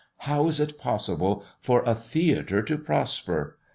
How is it possible for a theatre to prosper?